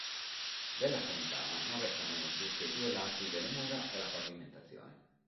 Della fontana non restano oggi che due lati delle mura e la pavimentazione.